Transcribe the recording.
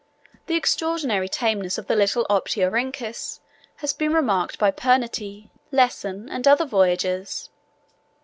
The extraordinary tameness of the little Opetiorhynchus has been remarked by Pernety, Lesson, and other voyagers.